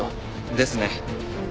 ですね。